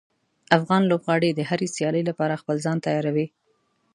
افغان لوبغاړي د هرې سیالۍ لپاره خپل ځان تیاروي.